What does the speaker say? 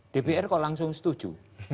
dpr kok langsung setuju